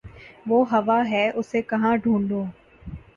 وہ ہوا ہے اسے کہاں ڈھونڈوں